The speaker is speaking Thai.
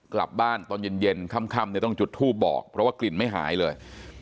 กลับบ้านตอนเย็นค่ำต้องจุดทูปบอกเพราะว่ากลิ่นไม่หายเลย